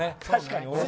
確かに。